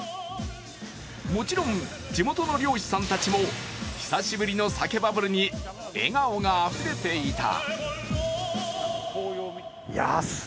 もちろん地元の漁師さんたちも久しぶりの鮭バブルに笑顔があふれていた。